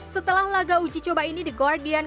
setelah laga uji coba ini di guardian